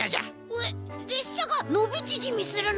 えっれっしゃがのびちぢみするの？